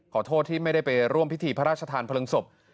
ขอโทษที่ไม่ได้ไปร่วมพิธีพระราชทานเพลิงศพ